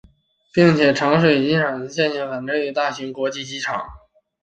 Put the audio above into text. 并且长水机场的气象条件实际上相对好于其他一些全国大型机场。